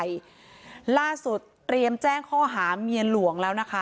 ต้องรอผลพิสูจน์จากแพทย์ก่อนนะคะ